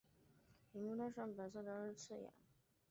萤幕上白色游标闪烁刺眼